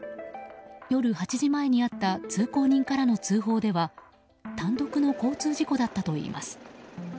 夜８時前にあった通行人からの通報では単独の交通事故だったといいます。